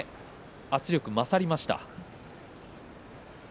圧力が勝りました。